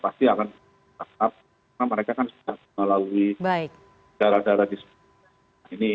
pasti akan mengangkat karena mereka kan sudah melalui darah darah disitu